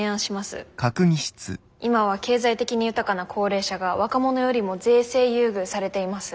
今は経済的に豊かな高齢者が若者よりも税制優遇されています。